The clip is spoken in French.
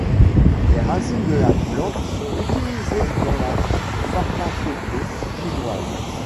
Les racines de la plante sont utilisées dans la pharmacopée chinoise.